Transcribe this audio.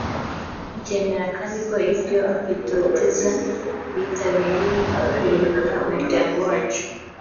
bakemera kandi ko ibyo bitotezo bitabereyeho kurimbura umuryango wacu